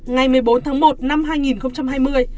ngày một mươi bốn tháng một năm hai nghìn hai mươi